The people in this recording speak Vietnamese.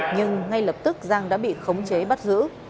nhưng ngay lập tức giang đã bị khống chế bắt giữ